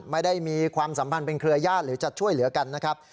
ไม่ได้มีความสัมพันธ์เป็นเครือญาติหรือจะช่วยเหลือกันนะครับ